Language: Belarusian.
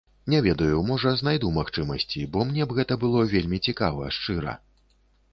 Не ведаю, можа, знайду магчымасці, бо мне б гэта было вельмі цікава, шчыра.